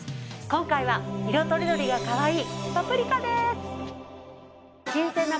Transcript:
今回は色とりどりがかわいいパプリカです。